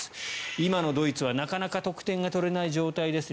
今のドイツはなかなか得点が取れない状態です